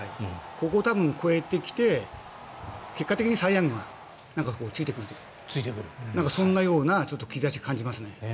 ここを多分、超えてきて結果的にサイ・ヤングがついてくるとそんな兆しを感じますね。